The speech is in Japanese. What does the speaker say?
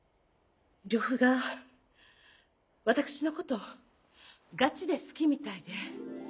呂布が私のことガチで好きみたいで。